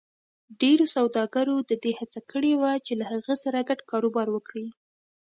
ډېرو سوداګرو د دې هڅه کړې وه چې له هغه سره ګډ کاروبار وکړي.